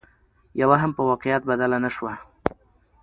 يوه هم په واقعيت بدله نشوه